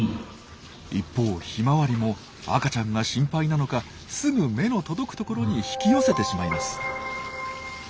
一方ヒマワリも赤ちゃんが心配なのかすぐ目の届くところに引き寄せてしまいます。